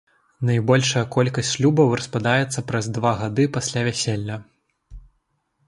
Найбольшая колькасць шлюбаў распадаецца праз два гады пасля вяселля.